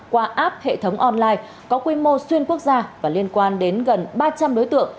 qua app hệ thống online có quy mô xuyên quốc gia và liên quan đến gần ba trăm linh đối tượng